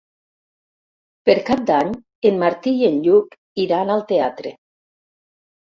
Per Cap d'Any en Martí i en Lluc iran al teatre.